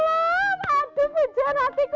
aduh hujan hatiku